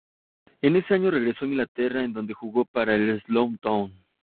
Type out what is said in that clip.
En ese año regresó a Inglaterra, en donde jugó para el Slough Town.